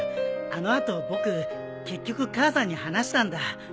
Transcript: あの後僕結局母さんに話したんだ。